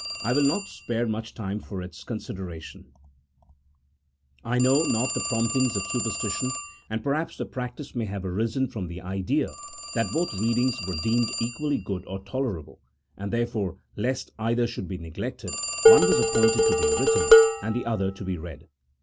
I will not spare much time for its consideration : I know :not the promptings of superstition, and perhaps the prac tice may have arisen from the idea that both readings were deemed equally good or tolerable, and therefore, lest either should be neglected, one was appointed to be written, and the other to be read.